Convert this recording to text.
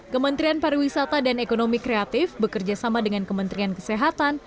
kementerian pariwisata dan ekonomi kreatif bekerjasama dengan kementerian kesehatan